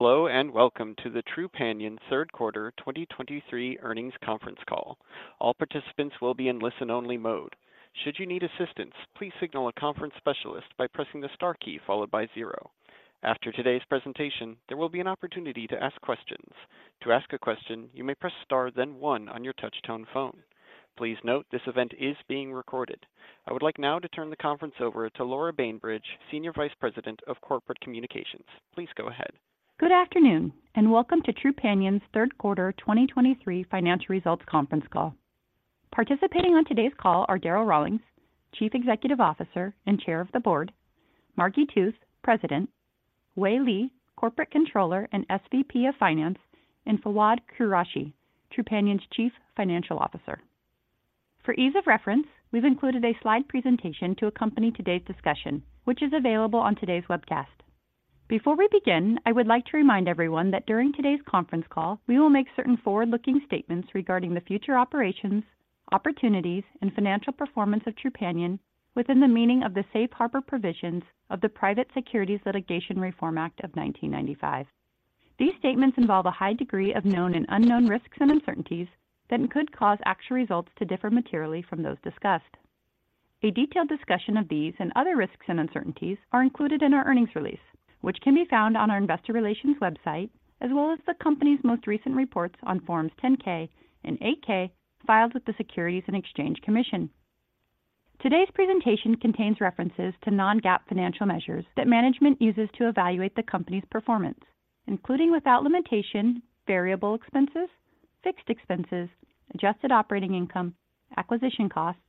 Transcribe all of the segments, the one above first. Hello, and welcome to the Trupanion Third Quarter 2023 Earnings Conference Call. All participants will be in listen-only mode. Should you need assistance, please signal a conference specialist by pressing the star key followed by zero. After today's presentation, there will be an opportunity to ask questions. To ask a question, you may press star, then one on your touchtone phone. Please note, this event is being recorded. I would like now to turn the conference over to Laura Bainbridge, Senior Vice President of Corporate Communications. Please go ahead. Good afternoon, and welcome to Trupanion's Third Quarter 2023 Financial Results Conference Call. Participating on today's call are Darryl Rawlings, Chief Executive Officer and Chair of the Board, Margi Tooth, President, Wei Li, Corporate Controller and SVP of Finance, and Fawwad Qureshi, Trupanion's Chief Financial Officer. For ease of reference, we've included a slide presentation to accompany today's discussion, which is available on today's webcast. Before we begin, I would like to remind everyone that during today's conference call, we will make certain forward-looking statements regarding the future operations, opportunities, and financial performance of Trupanion within the meaning of the Safe Harbor provisions of the Private Securities Litigation Reform Act of 1995. These statements involve a high degree of known and unknown risks and uncertainties that could cause actual results to differ materially from those discussed. A detailed discussion of these and other risks and uncertainties are included in our earnings release, which can be found on our investor relations website, as well as the company's most recent reports on Form 10-K and 8-K filed with the Securities and Exchange Commission. Today's presentation contains references to non-GAAP financial measures that management uses to evaluate the company's performance, including without limitation, variable expenses, fixed expenses, adjusted operating income, acquisition costs,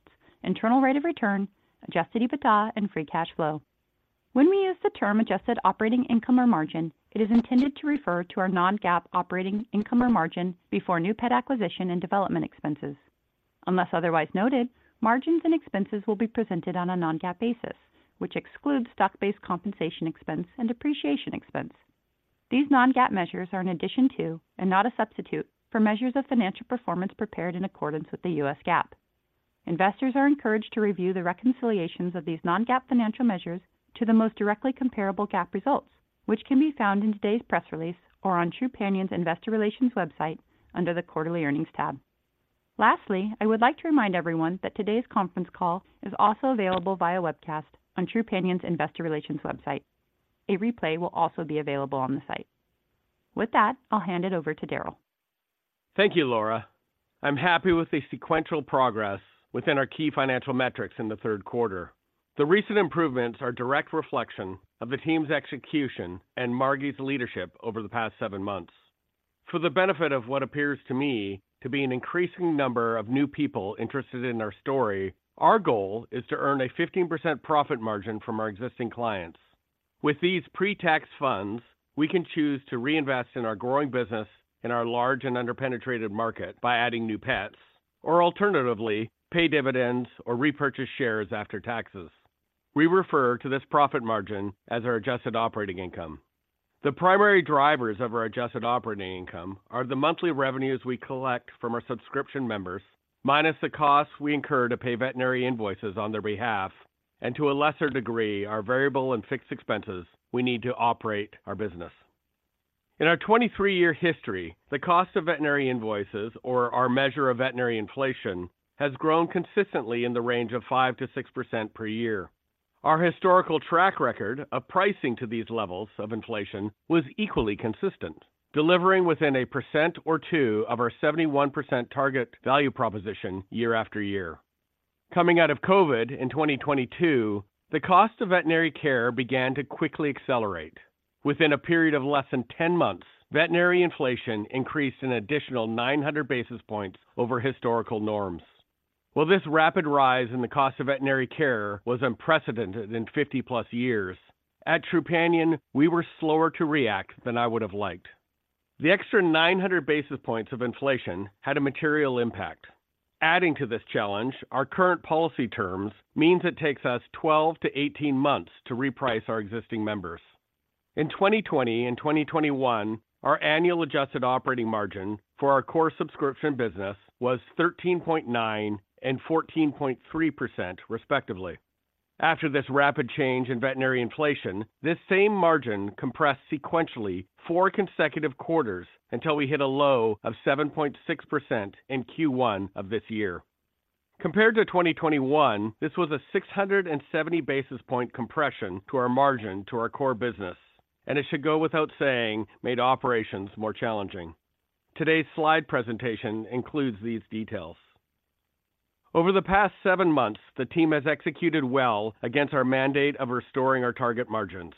internal rate of return, adjusted EBITDA, and free cash flow. When we use the term adjusted operating income or margin, it is intended to refer to our non-GAAP operating income or margin before new pet acquisition and development expenses. Unless otherwise noted, margins and expenses will be presented on a non-GAAP basis, which excludes stock-based compensation expense and depreciation expense. These non-GAAP measures are in addition to, and not a substitute, for measures of financial performance prepared in accordance with the U.S. GAAP. Investors are encouraged to review the reconciliations of these non-GAAP financial measures to the most directly comparable GAAP results, which can be found in today's press release or on Trupanion's Investor Relations website under the Quarterly Earnings tab. Lastly, I would like to remind everyone that today's conference call is also available via webcast on Trupanion's Investor Relations website. A replay will also be available on the site. With that, I'll hand it over to Darryl. Thank you, Laura. I'm happy with the sequential progress within our key financial metrics in the third quarter. The recent improvements are a direct reflection of the team's execution and Margi's leadership over the past seven months. For the benefit of what appears to me to be an increasing number of new people interested in our story, our goal is to earn a 15% profit margin from our existing clients. With these pre-tax funds, we can choose to reinvest in our growing business in our large and under-penetrated market by adding new pets, or alternatively, pay dividends or repurchase shares after taxes. We refer to this profit margin as our adjusted operating income. The primary drivers of our adjusted operating income are the monthly revenues we collect from our subscription members, minus the costs we incur to pay veterinary invoices on their behalf, and to a lesser degree, our variable and fixed expenses we need to operate our business. In our 23-year history, the cost of veterinary invoices or our measure of veterinary inflation, has grown consistently in the range of 5%-6% per year. Our historical track record of pricing to these levels of inflation was equally consistent, delivering within 1% or 2% of our 71% target value proposition year after year. Coming out of COVID in 2022, the cost of veterinary care began to quickly accelerate. Within a period of less than 10 months, veterinary inflation increased an additional 900 basis points over historical norms. While this rapid rise in the cost of veterinary care was unprecedented in 50+ years, at Trupanion, we were slower to react than I would have liked. The extra 900 basis points of inflation had a material impact. Adding to this challenge, our current policy terms means it takes us 12-18 months to reprice our existing members. In 2020 and 2021, our annual adjusted operating margin for our core subscription business was 13.9% and 14.3%, respectively. After this rapid change in veterinary inflation, this same margin compressed sequentially 4 consecutive quarters until we hit a low of 7.6% in Q1 of this year. Compared to 2021, this was a 670 basis point compression to our margin to our core business, and it should go without saying, made operations more challenging. Today's slide presentation includes these details. Over the past 7 months, the team has executed well against our mandate of restoring our target margins.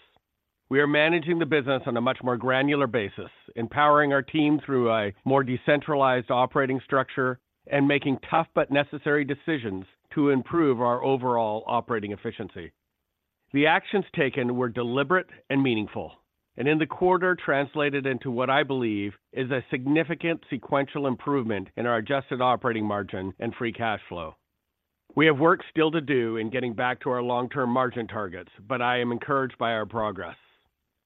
We are managing the business on a much more granular basis, empowering our team through a more decentralized operating structure and making tough but necessary decisions to improve our overall operating efficiency. The actions taken were deliberate and meaningful, and in the quarter translated into what I believe is a significant sequential improvement in our adjusted operating margin and free cash flow. We have work still to do in getting back to our long-term margin targets, but I am encouraged by our progress.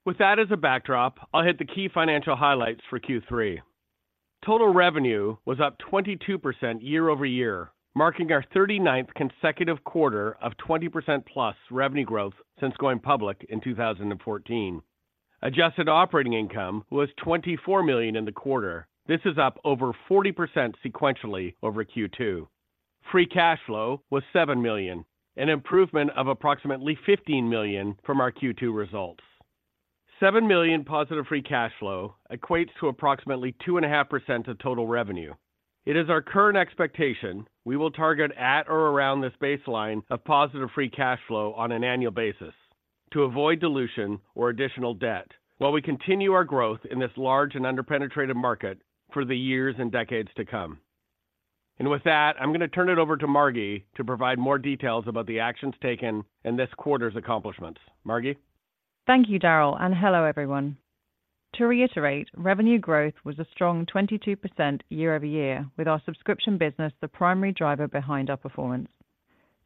With that as a backdrop, I'll hit the key financial highlights for Q3. Total revenue was up 22% year-over-year, marking our 39th consecutive quarter of 20%+ revenue growth since going public in 2014. Adjusted operating income was $24 million in the quarter. This is up over 40% sequentially over Q2. Free cash flow was $7 million, an improvement of approximately $15 million from our Q2 results. $7 million positive free cash flow equates to approximately 2.5% of total revenue. It is our current expectation we will target at or around this baseline of positive free cash flow on an annual basis to avoid dilution or additional debt, while we continue our growth in this large and under-penetrated market for the years and decades to come. And with that, I'm gonna turn it over to Margi to provide more details about the actions taken in this quarter's accomplishments. Margi? Thank you, Darryl, and hello, everyone. To reiterate, revenue growth was a strong 22% year-over-year, with our subscription business the primary driver behind our performance.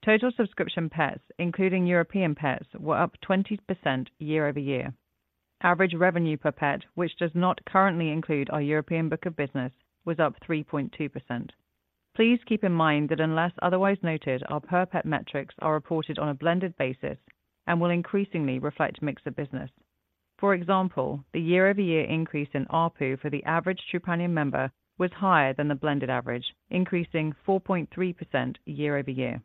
Total subscription pets, including European pets, were up 20% year-over-year. Average revenue per pet, which does not currently include our European book of business, was up 3.2%. Please keep in mind that unless otherwise noted, our per pet metrics are reported on a blended basis and will increasingly reflect mix of business. For example, the year-over-year increase in ARPU for the average Trupanion member was higher than the blended average, increasing 4.3% year-over-year.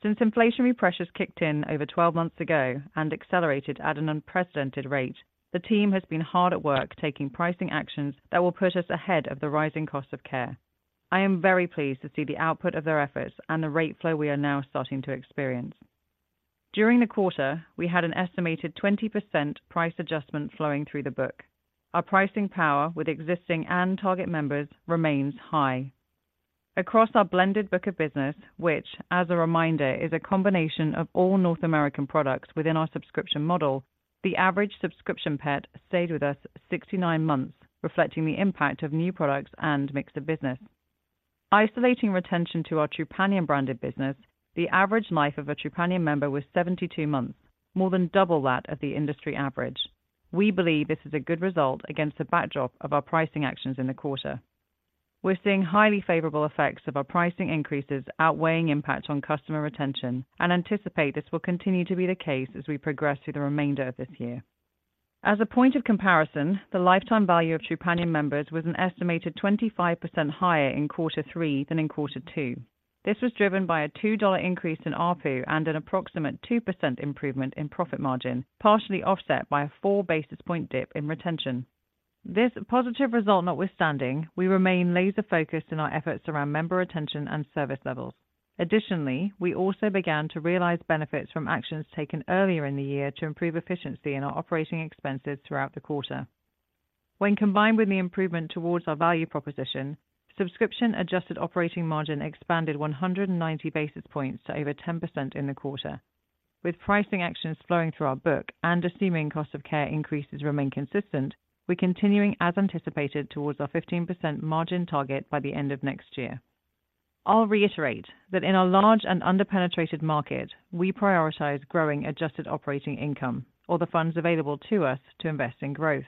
Since inflationary pressures kicked in over 12 months ago and accelerated at an unprecedented rate, the team has been hard at work taking pricing actions that will put us ahead of the rising cost of care. I am very pleased to see the output of their efforts and the rate flow we are now starting to experience. During the quarter, we had an estimated 20% price adjustment flowing through the book. Our pricing power with existing and target members remains high. Across our blended book of business, which, as a reminder, is a combination of all North American products within our subscription model, the average subscription pet stayed with us 69 months, reflecting the impact of new products and mix of business. Isolating retention to our Trupanion branded business, the average life of a Trupanion member was 72 months, more than double that of the industry average. We believe this is a good result against the backdrop of our pricing actions in the quarter. We're seeing highly favorable effects of our pricing increases outweighing impact on customer retention, and anticipate this will continue to be the case as we progress through the remainder of this year. As a point of comparison, the lifetime value of Trupanion members was an estimated 25% higher in quarter three than in quarter two. This was driven by a $2 increase in ARPU and an approximate 2% improvement in profit margin, partially offset by a 4 basis point dip in retention. This positive result notwithstanding, we remain laser-focused in our efforts around member retention and service levels. Additionally, we also began to realize benefits from actions taken earlier in the year to improve efficiency in our operating expenses throughout the quarter. When combined with the improvement towards our value proposition, subscription adjusted operating margin expanded 190 basis points to over 10% in the quarter. With pricing actions flowing through our book and assuming cost of care increases remain consistent, we're continuing as anticipated towards our 15% margin target by the end of next year. I'll reiterate that in our large and under-penetrated market, we prioritize growing adjusted operating income or the funds available to us to invest in growth.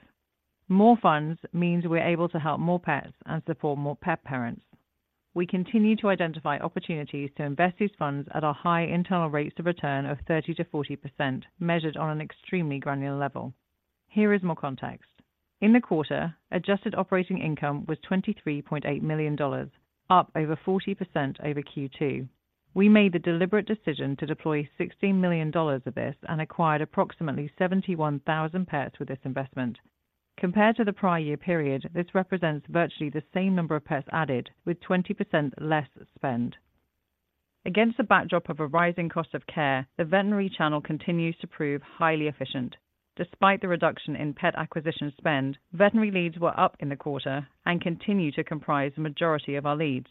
More funds means we're able to help more pets and support more pet parents. We continue to identify opportunities to invest these funds at our high internal rates of return of 30%-40%, measured on an extremely granular level. Here is more context. In the quarter, adjusted operating income was $23.8 million, up over 40% over Q2. We made the deliberate decision to deploy $16 million of this and acquired approximately 71,000 pets with this investment. Compared to the prior year period, this represents virtually the same number of pets added with 20% less spend. Against the backdrop of a rising cost of care, the veterinary channel continues to prove highly efficient. Despite the reduction in pet acquisition spend, veterinary leads were up in the quarter and continue to comprise the majority of our leads.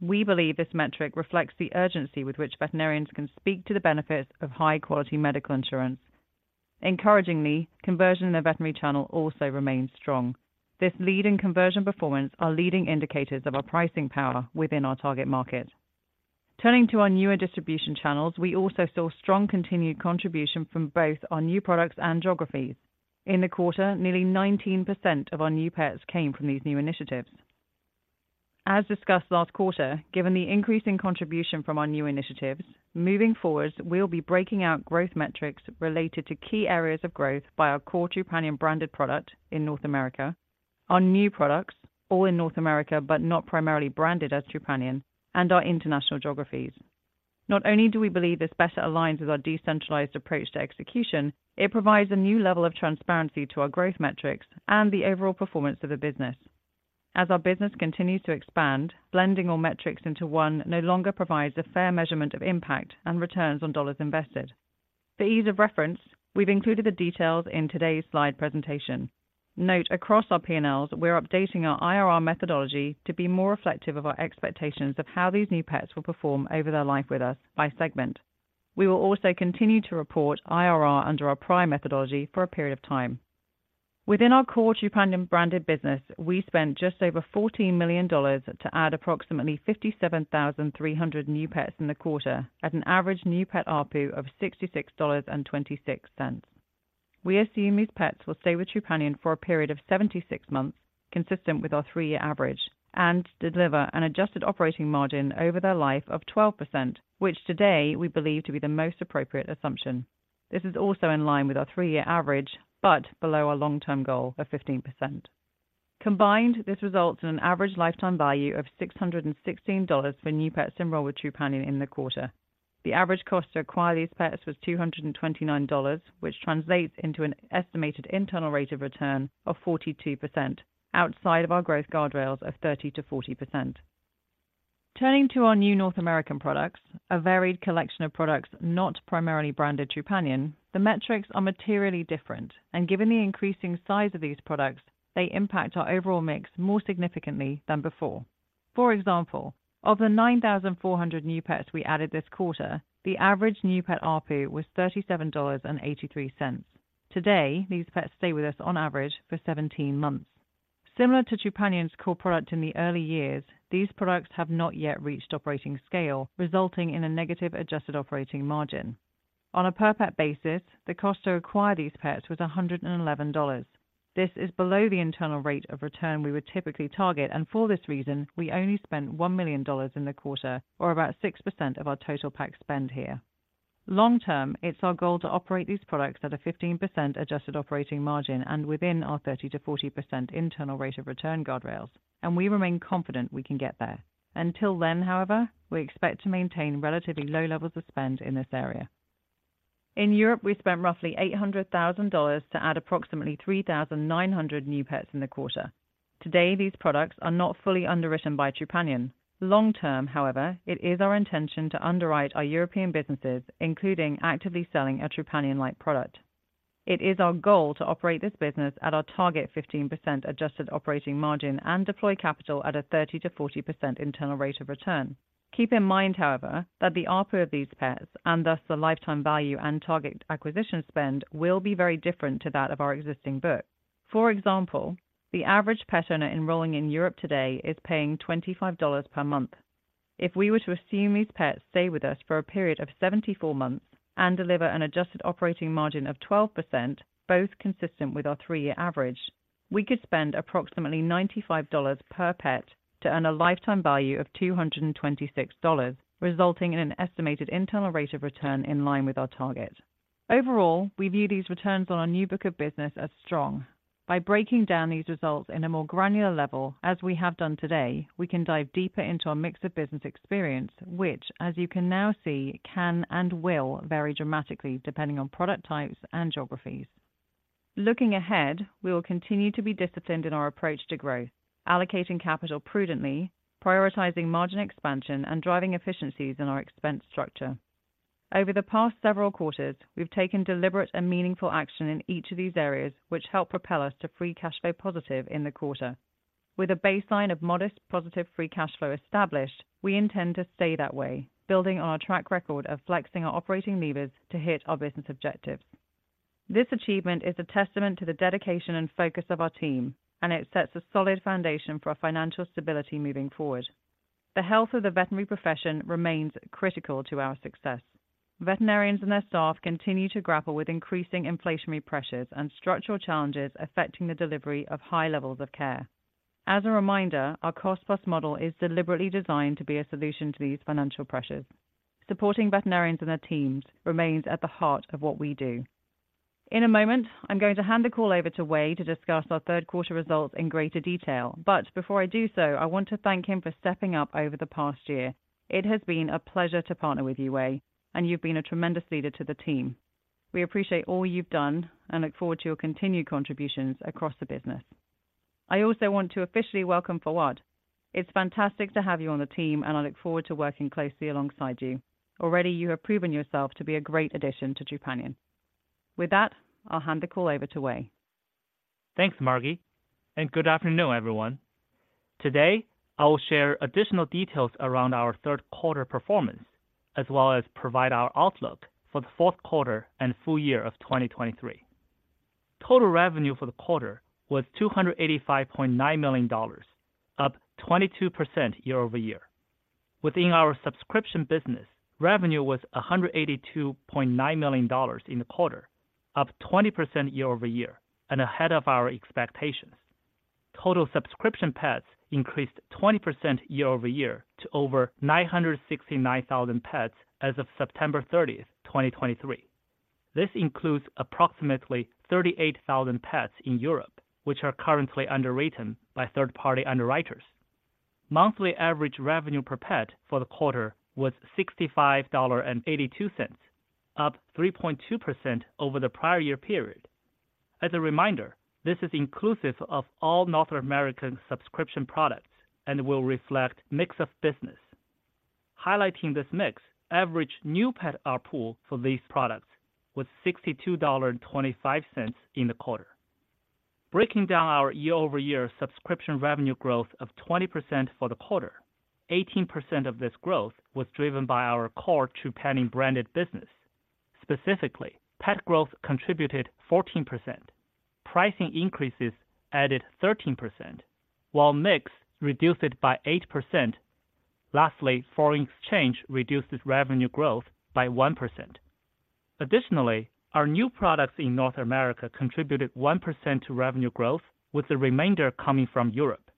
We believe this metric reflects the urgency with which veterinarians can speak to the benefits of high-quality medical insurance. Encouragingly, conversion in the veterinary channel also remains strong. This lead and conversion performance are leading indicators of our pricing power within our target market. Turning to our newer distribution channels, we also saw strong continued contribution from both our new products and geographies. In the quarter, nearly 19% of our new pets came from these new initiatives. As discussed last quarter, given the increasing contribution from our new initiatives, moving forward, we'll be breaking out growth metrics related to key areas of growth by our core Trupanion branded product in North America, our new products, all in North America, but not primarily branded as Trupanion, and our international geographies. Not only do we believe this better aligns with our decentralized approach to execution, it provides a new level of transparency to our growth metrics and the overall performance of the business. As our business continues to expand, blending all metrics into one no longer provides a fair measurement of impact and returns on dollars invested. For ease of reference, we've included the details in today's slide presentation. Note across our P&Ls, we're updating our IRR methodology to be more reflective of our expectations of how these new pets will perform over their life with us by segment. We will also continue to report IRR under our prior methodology for a period of time. Within our core Trupanion branded business, we spent just over $14 million to add approximately 57,300 new pets in the quarter at an average new pet ARPU of $66.26. We assume these pets will stay with Trupanion for a period of 76 months, consistent with our three-year average, and deliver an adjusted operating margin over their life of 12%, which today we believe to be the most appropriate assumption. This is also in line with our three-year average, but below our long-term goal of 15%. Combined, this results in an average lifetime value of $616 for new pets enrolled with Trupanion in the quarter. The average cost to acquire these pets was $229, which translates into an estimated internal rate of return of 42%, outside of our growth guardrails of 30%-40%. Turning to our new North American products, a varied collection of products not primarily branded Trupanion, the metrics are materially different, and given the increasing size of these products, they impact our overall mix more significantly than before. For example, of the 9,400 new pets we added this quarter, the average new pet ARPU was $37.83. Today, these pets stay with us on average for 17 months. Similar to Trupanion's core product in the early years, these products have not yet reached operating scale, resulting in a negative adjusted operating margin. On a per-pet basis, the cost to acquire these pets was $111. This is below the internal rate of return we would typically target, and for this reason, we only spent $1 million in the quarter, or about 6% of our total PAC spend here. Long term, it's our goal to operate these products at a 15% adjusted operating margin and within our 30%-40% internal rate of return guardrails, and we remain confident we can get there. Until then, however, we expect to maintain relatively low levels of spend in this area. In Europe, we spent roughly $800,000 to add approximately 3,900 new pets in the quarter. Today, these products are not fully underwritten by Trupanion. Long term, however, it is our intention to underwrite our European businesses, including actively selling a Trupanion-like product. It is our goal to operate this business at our target 15% adjusted operating margin and deploy capital at a 30%-40% internal rate of return. Keep in mind, however, that the ARPU of these pets, and thus the lifetime value and target acquisition spend, will be very different to that of our existing book. For example, the average pet owner enrolling in Europe today is paying $25 per month. If we were to assume these pets stay with us for a period of 74 months and deliver an adjusted operating margin of 12%, both consistent with our 3-year average, we could spend approximately $95 per pet to earn a lifetime value of $226, resulting in an estimated internal rate of return in line with our target. Overall, we view these returns on our new book of business as strong. By breaking down these results in a more granular level, as we have done today, we can dive deeper into our mix of business experience, which, as you can now see, can and will vary dramatically depending on product types and geographies. Looking ahead, we will continue to be disciplined in our approach to growth, allocating capital prudently, prioritizing margin expansion, and driving efficiencies in our expense structure. Over the past several quarters, we've taken deliberate and meaningful action in each of these areas, which help propel us to free cash flow positive in the quarter. With a baseline of modest positive free cash flow established, we intend to stay that way, building on our track record of flexing our operating levers to hit our business objectives. This achievement is a testament to the dedication and focus of our team, and it sets a solid foundation for our financial stability moving forward. The health of the veterinary profession remains critical to our success. Veterinarians and their staff continue to grapple with increasing inflationary pressures and structural challenges affecting the delivery of high levels of care. As a reminder, our Cost Plus model is deliberately designed to be a solution to these financial pressures. Supporting veterinarians and their teams remains at the heart of what we do. In a moment, I'm going to hand the call over to Wei to discuss our third quarter results in greater detail. But before I do so, I want to thank him for stepping up over the past year. It has been a pleasure to partner with you, Wei, and you've been a tremendous leader to the team. We appreciate all you've done and look forward to your continued contributions across the business. I also want to officially welcome Fawwad. It's fantastic to have you on the team, and I look forward to working closely alongside you. Already, you have proven yourself to be a great addition to Trupanion. With that, I'll hand the call over to Wei. Thanks, Margi, and good afternoon, everyone. Today, I will share additional details around our third quarter performance, as well as provide our outlook for the fourth quarter and full year of 2023. Total revenue for the quarter was $285.9 million, up 22% year-over-year. Within our subscription business, revenue was $182.9 million in the quarter, up 20% year-over-year and ahead of our expectations. Total subscription pets increased 20% year-over-year to over 969,000 pets as of September thirtieth, 2023. This includes approximately 38,000 pets in Europe, which are currently underwritten by third-party underwriters. Monthly average revenue per pet for the quarter was $65.82, up 3.2% over the prior year period. As a reminder, this is inclusive of all North American subscription products and will reflect mix of business. Highlighting this mix, average new pet ARPU for these products was $62.25 in the quarter. Breaking down our year-over-year subscription revenue growth of 20% for the quarter, 18% of this growth was driven by our core Trupanion branded business. Specifically, pet growth contributed 14%, pricing increases added 13%, while mix reduced it by 8%. Lastly, foreign exchange reduced revenue growth by 1%. Additionally, our new products in North America contributed 1% to revenue growth, with the remainder coming from Europe.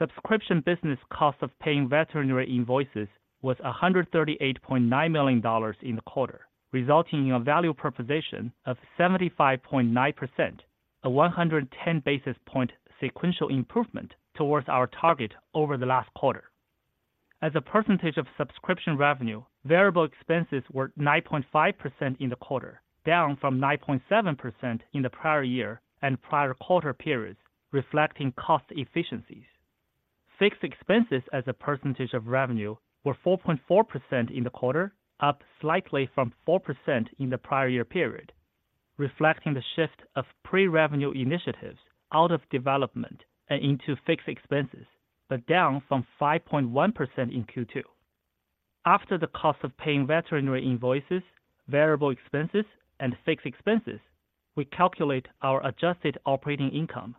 Subscription business cost of paying veterinary invoices was $138.9 million in the quarter, resulting in a value proposition of 75.9%, a 110 basis point sequential improvement towards our target over the last quarter. As a percentage of subscription revenue, variable expenses were 9.5% in the quarter, down from 9.7% in the prior year and prior quarter periods, reflecting cost efficiencies. Fixed expenses as a percentage of revenue were 4.4% in the quarter, up slightly from 4% in the prior year period, reflecting the shift of pre-revenue initiatives out of development and into fixed expenses, but down from 5.1% in Q2. After the cost of paying veterinary invoices, variable expenses and fixed expenses, we calculate our adjusted operating income.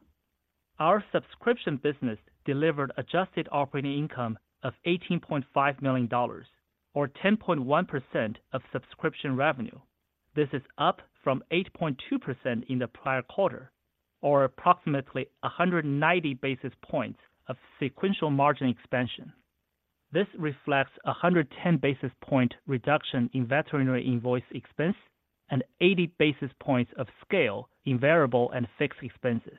Our subscription business delivered adjusted operating income of $18.5 million or 10.1% of subscription revenue. This is up from 8.2% in the prior quarter, or approximately 190 basis points of sequential margin expansion. This reflects a hundred and ten basis point reduction in veterinary invoice expense and 80 basis points of scale in variable and fixed expenses.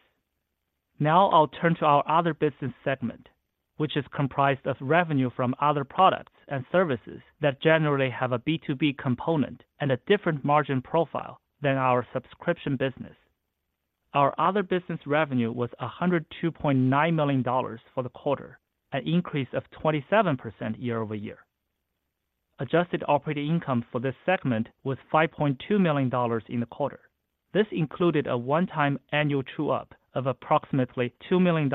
Now I'll turn to our other business segment, which is comprised of revenue from other products and services that generally have a B2B component and a different margin profile than our subscription business. Our other business revenue was $102.9 million for the quarter, an increase of 27% year-over-year. Adjusted operating income for this segment was $5.2 million in the quarter. This included a one-time annual true-up of approximately $2 million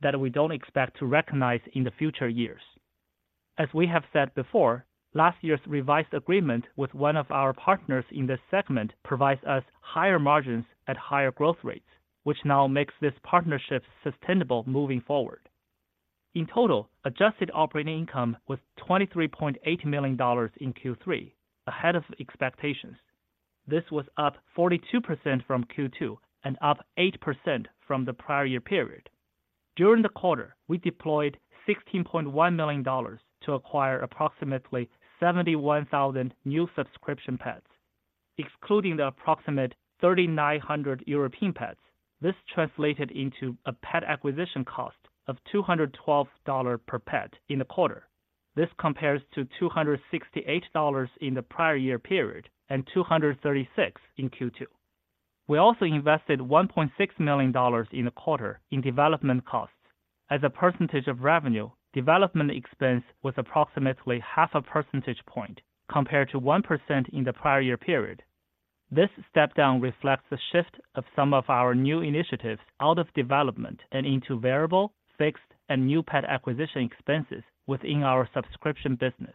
that we don't expect to recognize in the future years. As we have said before, last year's revised agreement with one of our partners in this segment provides us higher margins at higher growth rates, which now makes this partnership sustainable moving forward. In total, adjusted operating income was $23.8 million in Q3, ahead of expectations. This was up 42% from Q2 and up 8% from the prior year period. During the quarter, we deployed $16.1 million to acquire approximately 71,000 new subscription pets. Excluding the approximate 3,900 European pets, this translated into a pet acquisition cost of $212 per pet in the quarter. This compares to $268 in the prior year period, and $236 in Q2. We also invested $1.6 million in the quarter in development costs. As a percentage of revenue, development expense was approximately 0.5 percentage points compared to 1% in the prior year period. This step down reflects the shift of some of our new initiatives out of development and into variable, fixed, and new pet acquisition expenses within our subscription business.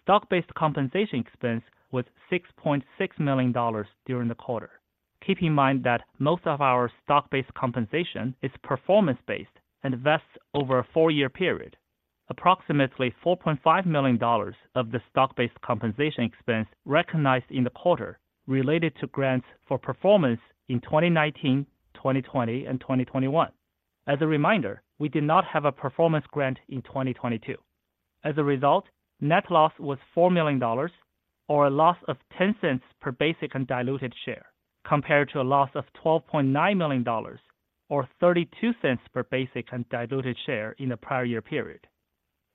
Stock-based compensation expense was $6.6 million during the quarter. Keep in mind that most of our stock-based compensation is performance-based and vests over a four-year period. Approximately $4.5 million of the stock-based compensation expense recognized in the quarter related to grants for performance in 2019, 2020 and 2021. As a reminder, we did not have a performance grant in 2022. As a result, net loss was $4 million or a loss of $0.10 per basic and diluted share, compared to a loss of $12.9 million or $0.32 per basic and diluted share in the prior year period.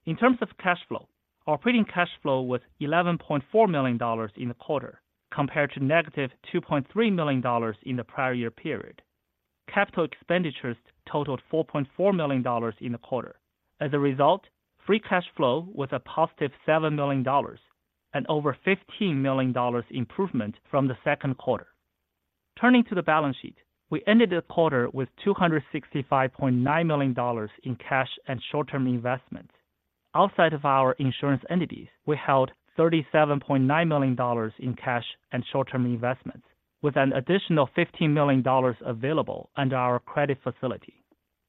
In terms of cash flow, operating cash flow was $11.4 million in the quarter, compared to -$2.3 million in the prior year period. Capital expenditures totaled $4.4 million in the quarter. As a result, free cash flow was a +$7 million and over $15 million improvement from the second quarter. Turning to the balance sheet, we ended the quarter with $265.9 million in cash and short-term investments. Outside of our insurance entities, we held $37.9 million in cash and short-term investments, with an additional $15 million available under our credit facility.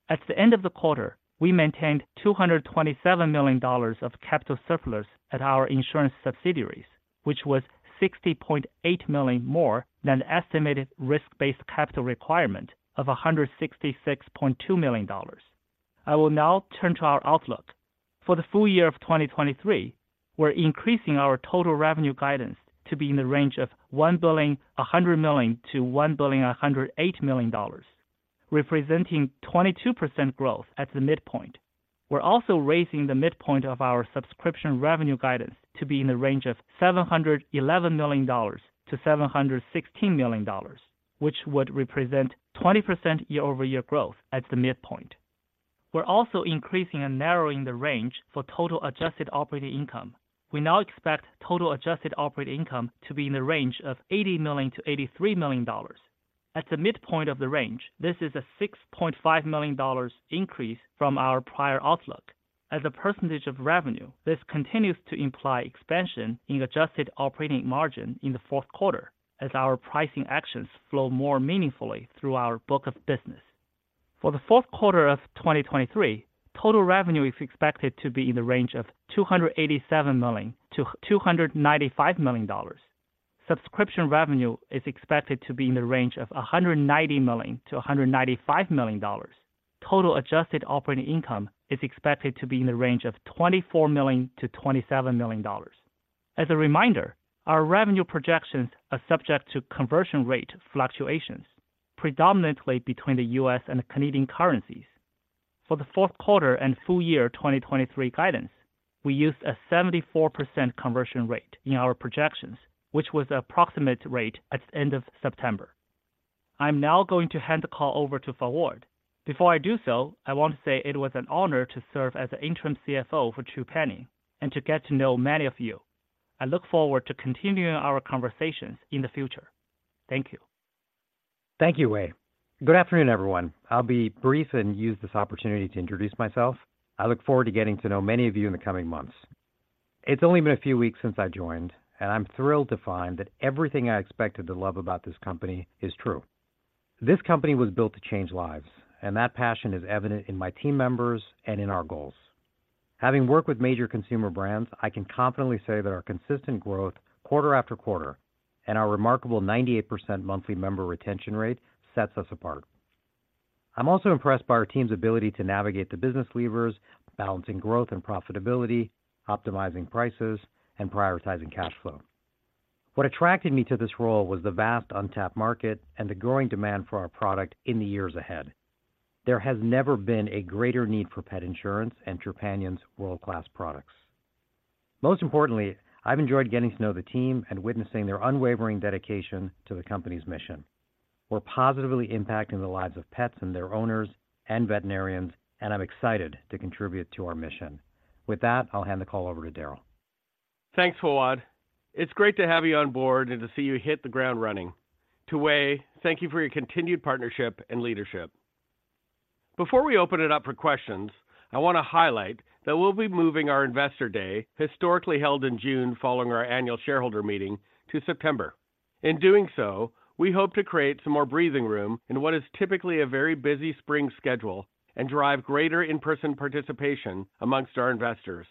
At the end of the quarter, we maintained $227 million of capital surplus at our insurance subsidiaries, which was $60.8 million more than the estimated risk-based capital requirement of $166.2 million. I will now turn to our outlook. For the full year of 2023, we're increasing our total revenue guidance to be in the range of $1.1 billion-$1.108 billion, representing 22% growth at the midpoint. We're also raising the midpoint of our subscription revenue guidance to be in the range of $711 million-$716 million, which would represent 20% year-over-year growth at the midpoint. We're also increasing and narrowing the range for total adjusted operating income. We now expect total adjusted operating income to be in the range of $80 million-$83 million. At the midpoint of the range, this is a $6.5 million increase from our prior outlook. As a percentage of revenue, this continues to imply expansion in adjusted operating margin in the fourth quarter as our pricing actions flow more meaningfully through our book of business. For the fourth quarter of 2023, total revenue is expected to be in the range of $287 million-$295 million. Subscription revenue is expected to be in the range of $190 million-$195 million. Total adjusted operating income is expected to be in the range of $24 million-$27 million. As a reminder, our revenue projections are subject to conversion rate fluctuations, predominantly between the U.S. and Canadian currencies. For the fourth quarter and full year 2023 guidance, we used a 74% conversion rate in our projections, which was approximate rate at the end of September. I'm now going to hand the call over to Fawwad. Before I do so, I want to say it was an honor to serve as the interim CFO for Trupanion, and to get to know many of you. I look forward to continuing our conversations in the future. Thank you. Thank you, Wei. Good afternoon, everyone. I'll be brief and use this opportunity to introduce myself. I look forward to getting to know many of you in the coming months. It's only been a few weeks since I joined, and I'm thrilled to find that everything I expected to love about this company is true. This company was built to change lives, and that passion is evident in my team members and in our goals. Having worked with major consumer brands, I can confidently say that our consistent growth quarter after quarter and our remarkable 98% monthly member retention rate sets us apart. I'm also impressed by our team's ability to navigate the business levers, balancing growth and profitability, optimizing prices, and prioritizing cash flow. What attracted me to this role was the vast untapped market and the growing demand for our product in the years ahead. There has never been a greater need for pet insurance and Trupanion's world-class products. Most importantly, I've enjoyed getting to know the team and witnessing their unwavering dedication to the company's mission. We're positively impacting the lives of pets and their owners and veterinarians, and I'm excited to contribute to our mission. With that, I'll hand the call over to Darryl. Thanks, Fawwad. It's great to have you on board and to see you hit the ground running. To Wei, thank you for your continued partnership and leadership. Before we open it up for questions, I want to highlight that we'll be moving our Investor Day, historically held in June, following our annual shareholder meeting, to September. In doing so, we hope to create some more breathing room in what is typically a very busy spring schedule and drive greater in-person participation among our investors.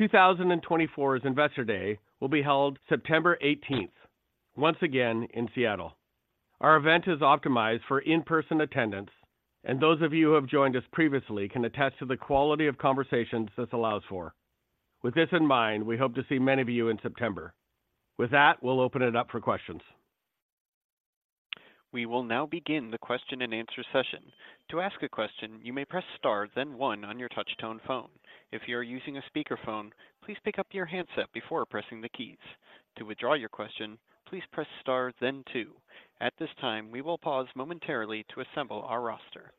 2024's Investor Day will be held September eighteenth, once again in Seattle. Our event is optimized for in-person attendance, and those of you who have joined us previously can attach to the quality of conversations this allows for. With this in mind, we hope to see many of you in September. With that, we'll open it up for questions. We will now begin the question-and-answer session. To ask a question, you may press star, then one on your touch tone phone. If you are using a speakerphone, please pick up your handset before pressing the keys. To withdraw your question, please press star then two. At this time, we will pause momentarily to assemble our roster.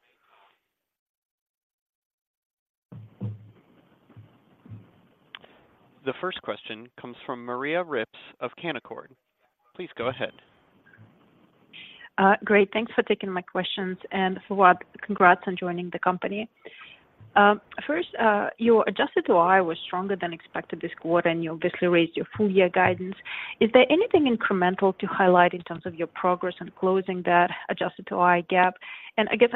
The first question comes from Maria Ripps of Canaccord. Please go ahead. Great. Thanks for taking my questions, and Fawwad, congrats on joining the company. First, your adjusted AOI was stronger than expected this quarter, and you obviously raised your full year guidance. Is there anything incremental to highlight in terms of your progress in closing that adjusted AOI gap? And I guess,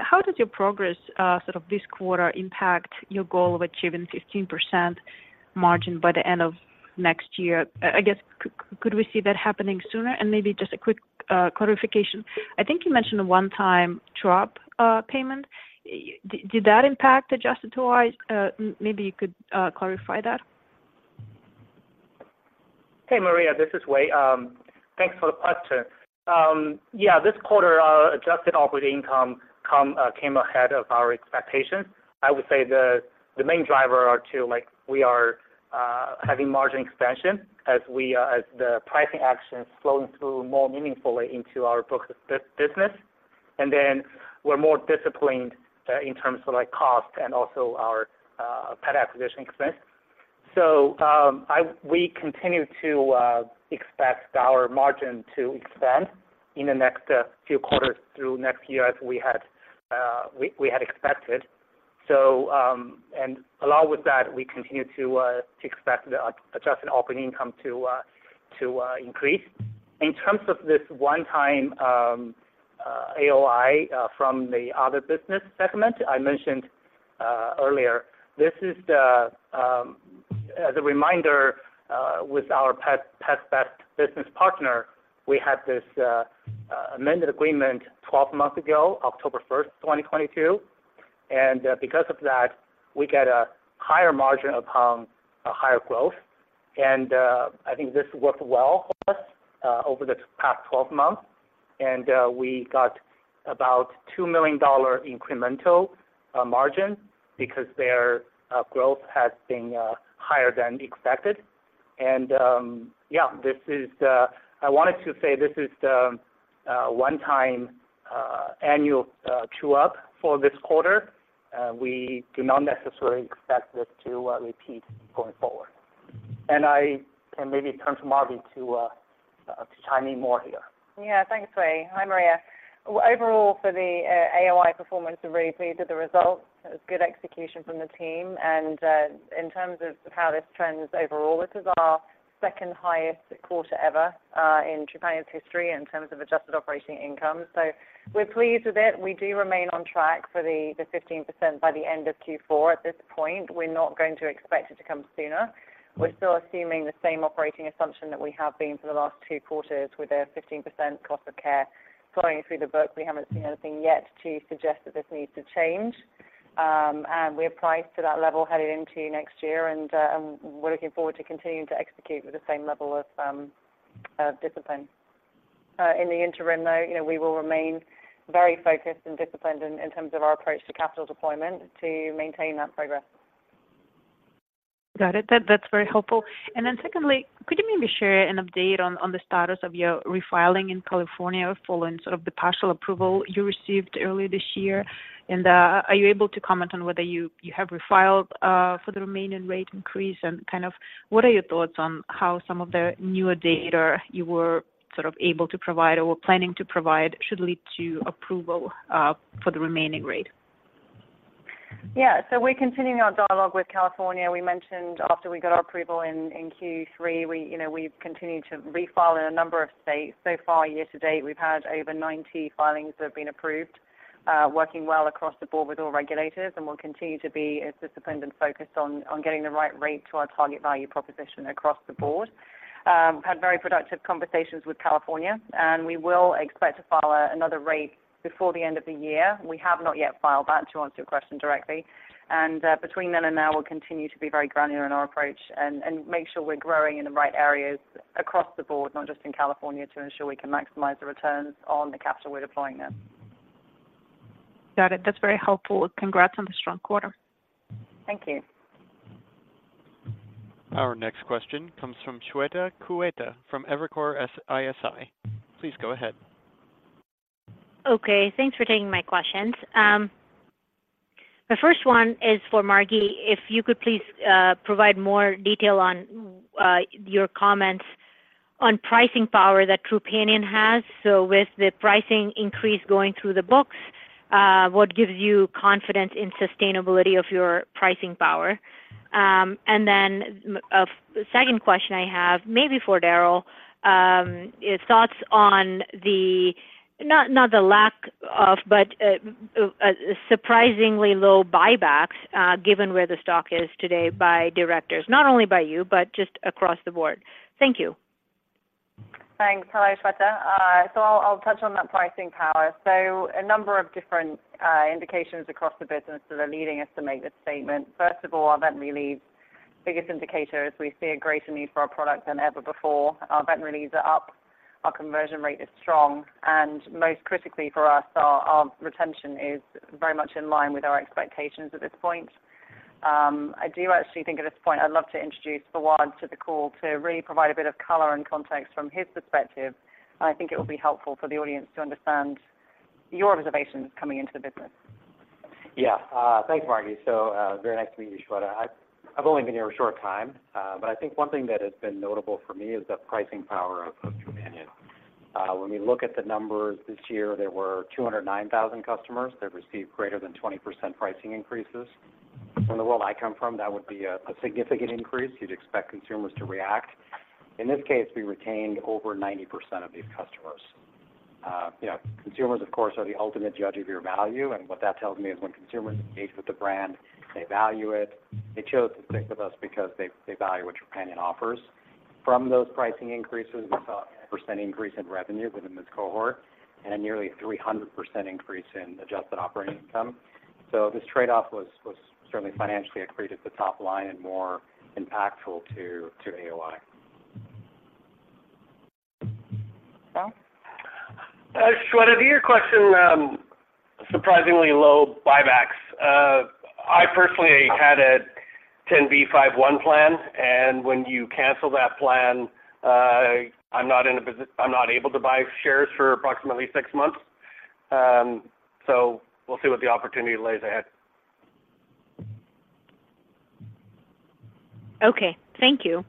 sort of this quarter impact your goal of achieving 15% margin by the end of next year? I guess, could we see that happening sooner? And maybe just a quick clarification. I think you mentioned a one-time true-up payment. Did that impact adjusted AOI? Maybe you could clarify that. Hey, Maria, this is Wei. Thanks for the question. Yeah, this quarter, adjusted operating income came ahead of our expectations. I would say the main drivers are two, like, we are having margin expansion as the pricing actions are flowing through more meaningfully into our books of business, and then we're more disciplined in terms of like cost and also our pet acquisition expense. So, we continue to expect our margin to expand in the next few quarters through next year as we had expected. So, and along with that, we continue to expect the adjusted operating income to increase. In terms of this one-time AOI from the other business segment I mentioned earlier, this is, as a reminder, with our Pets Best business partner, we had this amended agreement 12 months ago, October 1, 2022, and because of that, we get a higher margin upon a higher growth. And I think this worked well for us over the past 12 months, and we got about $2 million incremental margin because their growth has been higher than expected. And yeah, this is the... I wanted to say this is the one-time annual true-up for this quarter. We do not necessarily expect this to repeat going forward. And I can maybe turn to Margi to to chime in more here. Yeah, thanks, Wei. Hi, Maria. Well, overall, for the AOI performance, we're very pleased with the results. It was good execution from the team, and in terms of how this trends overall, this is our second highest quarter ever in Trupanion's history in terms of adjusted operating income. So we're pleased with it. We do remain on track for the 15% by the end of Q4 at this point. We're not going to expect it to come sooner. We're still assuming the same operating assumption that we have been for the last two quarters, with a 15% cost of care flowing through the book. We haven't seen anything yet to suggest that this needs to change. And we applied to that level headed into next year, and we're looking forward to continuing to execute with the same level of discipline. In the interim, though, you know, we will remain very focused and disciplined in terms of our approach to capital deployment to maintain that progress. Got it. That, that's very helpful. And then secondly, could you maybe share an update on the status of your refiling in California following sort of the partial approval you received earlier this year? And, are you able to comment on whether you have refiled for the remaining rate increase? And kind of, what are your thoughts on how some of the newer data you were sort of able to provide or planning to provide should lead to approval for the remaining rate? Yeah. So we're continuing our dialogue with California. We mentioned after we got our approval in Q3, you know, we've continued to refile in a number of states. So far, year to date, we've had over 90 filings that have been approved, working well across the board with all regulators, and we'll continue to be as disciplined and focused on getting the right rate to our target Value Proposition across the board. Had very productive conversations with California, and we will expect to file another rate before the end of the year. We have not yet filed that, to answer your question directly. Between then and now, we'll continue to be very granular in our approach and, and make sure we're growing in the right areas across the board, not just in California, to ensure we can maximize the returns on the capital we're deploying there. Got it. That's very helpful. Congrats on the strong quarter. Thank you. Our next question comes from Shweta Khajuria from Evercore ISI. Please go ahead. Okay, thanks for taking my questions. The first one is for Margi. If you could please, provide more detail on, your comments on pricing power that Trupanion has. So with the pricing increase going through the books, what gives you confidence in sustainability of your pricing power? And then, the second question I have, maybe for Darryl, is thoughts on the... not, not the lack of, but, surprisingly low buybacks, given where the stock is today by directors, not only by you, but just across the board. Thank you. Thanks. Hello, Shweta. So I'll, I'll touch on that pricing power. So a number of different indications across the business that are leading us to make this statement. First of all, our vet leads. Biggest indicator is we see a greater need for our product than ever before. Our vet leads are up, our conversion rate is strong, and most critically for us, our, our retention is very much in line with our expectations at this point. I do actually think at this point I'd love to introduce Fawwad to the call to really provide a bit of color and context from his perspective. I think it will be helpful for the audience to understand your observations coming into the business. Yeah. Thanks, Margi. So, very nice to meet you, Shweta. I've only been here a short time, but I think one thing that has been notable for me is the pricing power of Trupanion. When we look at the numbers this year, there were 209,000 customers that received greater than 20% pricing increases. From the world I come from, that would be a significant increase. You'd expect consumers to react. In this case, we retained over 90% of these customers. Yeah, consumers, of course, are the ultimate judge of your value, and what that tells me is when consumers engage with the brand, they value it. They chose to stick with us because they value what Trupanion offers. From those pricing increases, we saw a 1% increase in revenue within this cohort and a nearly 300% increase in adjusted operating income. So this trade-off was certainly financially accretive to top line and more impactful to AOI. Well? Shweta, to your question, surprisingly low buybacks. I personally had a 10b5-1 plan, and when you cancel that plan, I'm not able to buy shares for approximately six months. So we'll see what the opportunity lays ahead. Okay. Thank you.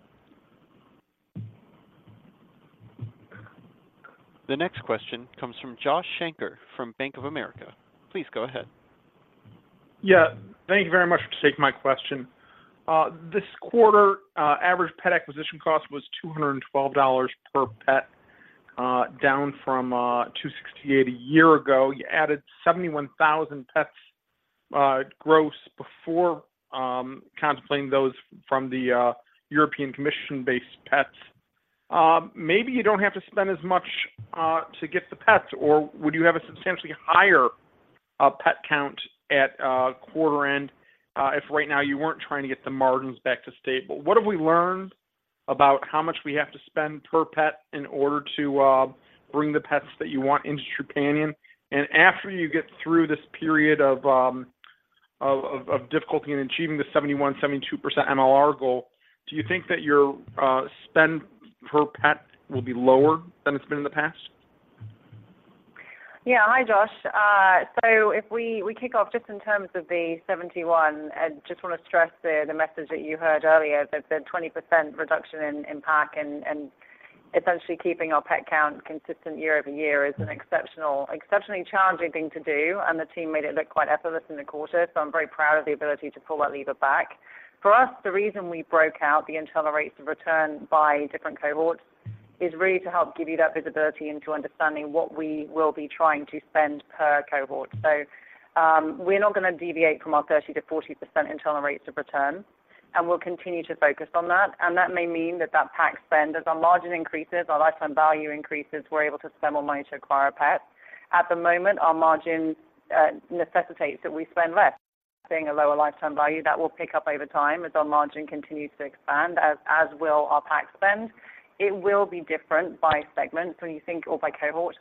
The next question comes from Josh Shanker from Bank of America. Please go ahead. Yeah, thank you very much for taking my question. This quarter, average pet acquisition cost was $212 per pet, down from $268 a year ago. You added 71,000 pets, gross before contemplating those from the European commission-based pets. Maybe you don't have to spend as much to get the pets, or would you have a substantially higher pet count at quarter end, if right now you weren't trying to get the margins back to stable? What have we learned about how much we have to spend per pet in order to bring the pets that you want into Trupanion? After you get through this period of difficulty in achieving the 71%-72% MLR goal, do you think that your spend per pet will be lower than it's been in the past? Yeah. Hi, Josh. So if we kick off just in terms of the 71, I just want to stress the message that you heard earlier, that the 20% reduction in PAC and essentially keeping our pet count consistent year-over-year is an exceptionally challenging thing to do, and the team made it look quite effortless in the quarter, so I'm very proud of the ability to pull that lever back. For us, the reason we broke out the internal rates of return by different cohorts is really to help give you that visibility into understanding what we will be trying to spend per cohort. So, we're not going to deviate from our 30%-40% internal rates of return, and we'll continue to focus on that. That may mean that that PAC spend, as our margin increases, our lifetime value increases, we're able to spend more money to acquire a pet. At the moment, our margin necessitates that we spend less, seeing a lower lifetime value. That will pick up over time as our margin continues to expand, as, as will our PAC spend. It will be different by segment when you think... Or by cohort.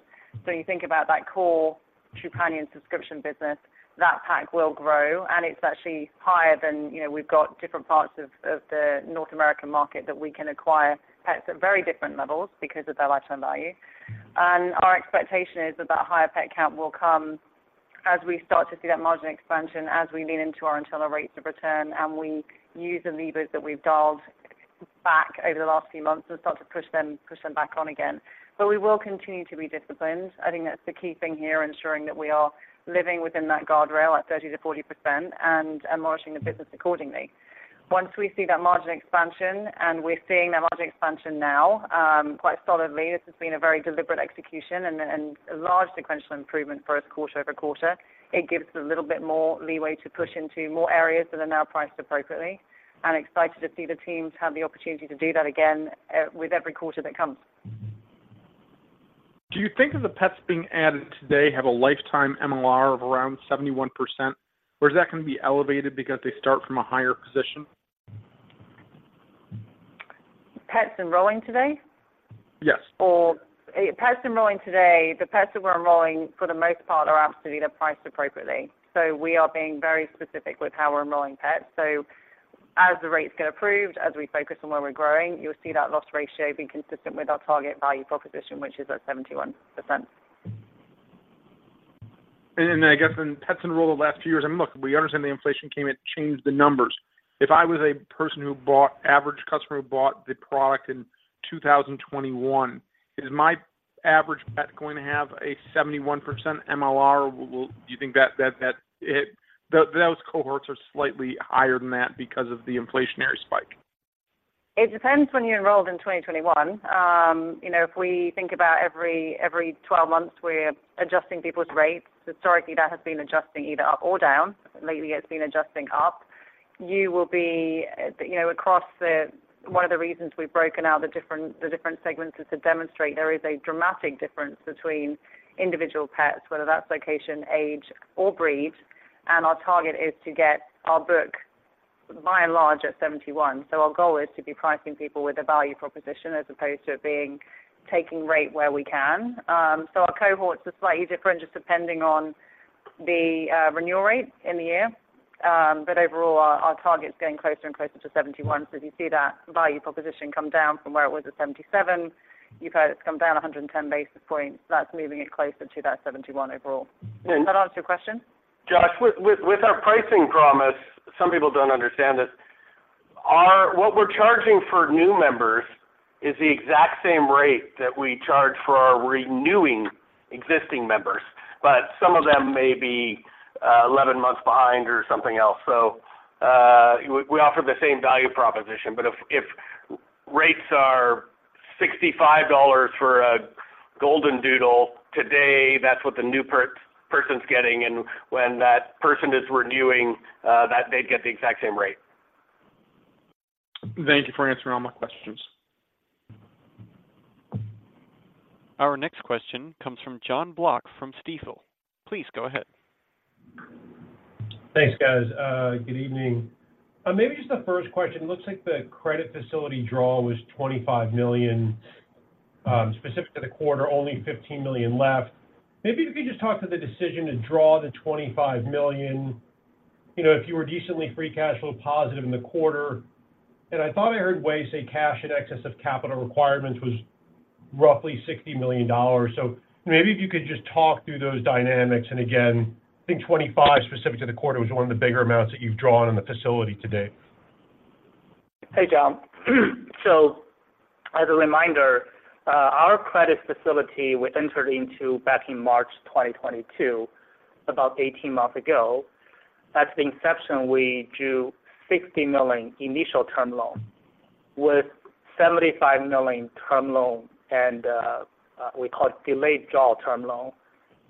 So you think about that core Trupanion subscription business, that PAC will grow, and it's actually higher than, you know, we've got different parts of the North American market that we can acquire pets at very different levels because of their lifetime value. Our expectation is that that higher pet count will come as we start to see that margin expansion, as we lean into our internal rates of return, and we use the levers that we've dialed back over the last few months and start to push them, push them back on again. But we will continue to be disciplined. I think that's the key thing here, ensuring that we are living within that guardrail at 30%-40% and, and managing the business accordingly. Once we see that margin expansion, and we're seeing that margin expansion now, quite solidly, this has been a very deliberate execution and, and a large sequential improvement for us quarter-over-quarter. It gives us a little bit more leeway to push into more areas that are now priced appropriately. I'm excited to see the teams have the opportunity to do that again, with every quarter that comes. Do you think that the pets being added today have a lifetime MLR of around 71%, or is that going to be elevated because they start from a higher position? Pets enrolling today? Yes. Or, pets enrolling today, the pets that we're enrolling, for the most part, are absolutely. They're priced appropriately. So we are being very specific with how we're enrolling pets. So as the rates get approved, as we focus on where we're growing, you'll see that loss ratio being consistent with our target Value Proposition, which is at 71%. Then, I guess when pets enrolled the last few years, and look, we understand the inflation came in, changed the numbers. If I was a person who bought... average customer who bought the product in 2021, is my average pet going to have a 71% MLR, or do you think that those cohorts are slightly higher than that because of the inflationary spike? It depends when you enrolled in 2021. You know, if we think about every 12 months, we're adjusting people's rates. Historically, that has been adjusting either up or down. Lately, it's been adjusting up. You will be, you know, across the one of the reasons we've broken out the different segments is to demonstrate there is a dramatic difference between individual pets, whether that's location, age, or breed, and our target is to get our book, by and large, at 71. So our goal is to be pricing people with a value proposition as opposed to it being taking rate where we can. So our cohorts are slightly different just depending on the renewal rate in the year. But overall, our target is getting closer and closer to 71. So as you see that Value Proposition come down from where it was at 77, you've had it come down 110 basis points. That's moving it closer to that 71 overall. Does that answer your question? Josh, with our pricing promise, some people don't understand this. What we're charging for new members is the exact same rate that we charge for our renewing existing members, but some of them may be 11 months behind or something else. So, we offer the same value proposition, but if rates are $65 for a golden doodle today, that's what the new person's getting, and when that person is renewing, that they'd get the exact same rate. Thank you for answering all my questions. Our next question comes from Jon Block from Stifel. Please go ahead. Thanks, guys. Good evening. Maybe just the first question: Looks like the credit facility draw was $25 million, specific to the quarter, only $15 million left. Maybe if you could just talk to the decision to draw the $25 million, you know, if you were decently free cash flow positive in the quarter. And I thought I heard Wei say cash in excess of capital requirements was roughly $60 million. So maybe if you could just talk through those dynamics. And again, I think $25, specific to the quarter, was one of the bigger amounts that you've drawn on the facility to date. Hey, Jon. So as a reminder, our credit facility was entered into back in March 2022, about 18 months ago. At the inception, we drew $60 million initial term loan with $75 million term loan and, we call it delayed draw term loan,